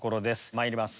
まいります